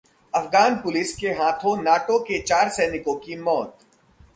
‘Afghan police’ के हाथों NATO के चार सैनिकों की मौत